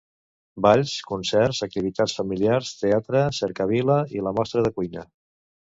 Balls, concerts, activitats familiars, teatre, cercavila i la Mostra de Cuina.